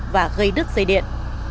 và gây đứt dây điện